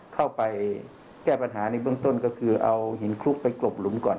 เข้าไปแก้ปัญหาในเบื้องต้นก็คือเอาหินคลุกไปกลบหลุมก่อน